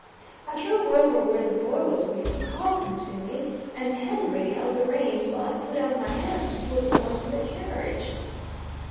I drove over where the boy was waiting, called him to me, and Henry held the reins while I put out my hands to pull the boy into the carriage.